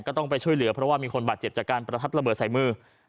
ต้องไปช่วยเหลือเพราะว่ามีคนบาดเจ็บจากการประทัดระเบิดใส่มือ